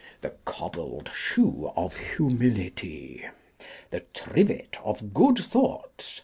The Cobbled Shoe of Humility. The Trivet of good Thoughts.